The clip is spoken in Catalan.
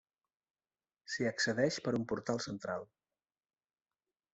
S'hi accedeix per un portal central.